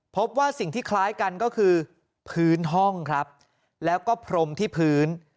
พบว่าสิ่งที่คล้ายกันก็คือพื้นห้องครับแล้วก็พรมที่พื้น